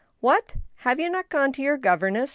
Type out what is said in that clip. " What I have not you gone to your governess